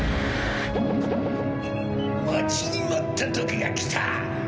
待ちに待った時が来た！